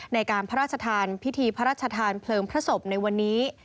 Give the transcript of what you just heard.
ในการพระราชทานพิธีพระราชทานเพลิงพระศพในวันนี้